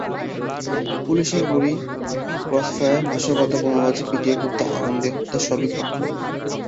পুলিশের গুলি, ক্রসফায়ার, নাশকতা, বোমাবাজি, পিটিয়ে হত্যা, আগুন দিয়ে হত্যা—সবই ঘটল।